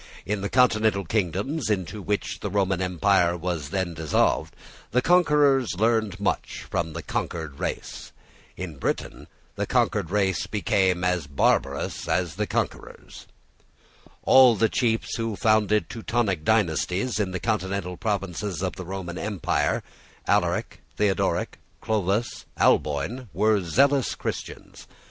In the continental kingdoms into which the Roman empire was then dissolved, the conquerors learned much from the conquered race. In Britain the conquered race became as barbarous as the conquerors. All the chiefs who founded Teutonic dynasties in the continental provinces of the Roman empire, Alaric, Theodoric, Clovis, Alboin, were zealous Christians.